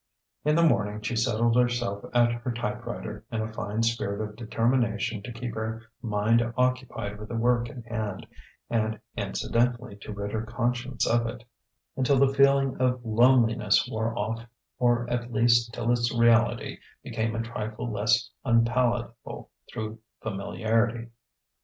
In the morning she settled herself at her typewriter in a fine spirit of determination to keep her mind occupied with the work in hand and incidentally to rid her conscience of it until the feeling of loneliness wore off or at least till its reality became a trifle less unpalatable through familiarity.